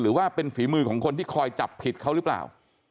หรือว่าเป็นฝีมือของคนที่คอยจับผิดเขาหรือเปล่า